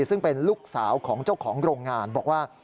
ซึ่งเป็นลูกสาวของเจ้าของโรงงานบอกว่า